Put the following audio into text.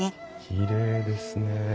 きれいですね。